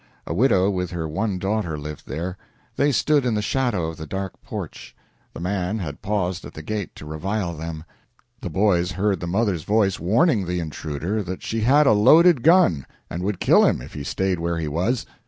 A widow with her one daughter lived there. They stood in the shadow of the dark porch; the man had paused at the gate to revile them. The boys heard the mother's voice warning the intruder that she had a loaded gun and would kill him if he stayed where he was.